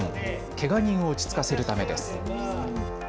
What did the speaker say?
けが人を落ち着かせるためです。